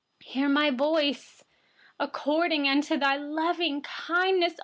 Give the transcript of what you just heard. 149Hear my voice according to your loving kindness.